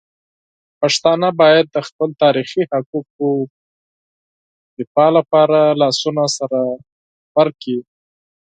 پښتانه باید د خپل تاریخي حقونو دفاع لپاره لاسونه سره ورکړي.